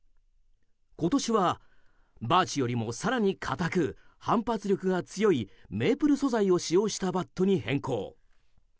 今年はバーチよりも更に硬く反発力が強いメイプル素材を使用したバットに変更。